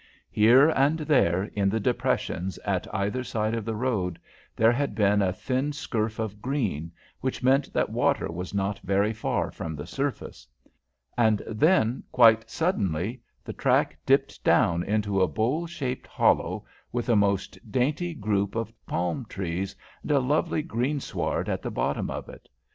Here and there, in the depressions at either side of the road, there had been a thin scurf of green, which meant that water was not very far from the surface. And then, quite suddenly, the track dipped down into a bowl shaped hollow, with a most dainty group of palm trees, and a lovely greensward at the bottom of it.